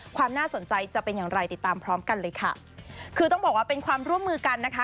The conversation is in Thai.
ความน่าสนใจจะเป็นอย่างไรติดตามพร้อมกันเลยค่ะคือต้องบอกว่าเป็นความร่วมมือกันนะคะ